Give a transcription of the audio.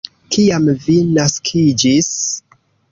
Kiam vi naskiĝis?